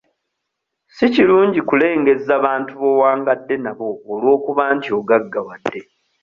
Si kirungi kulengezza bantu b'owangadde nabo olw'okuba nti ogaggawadde.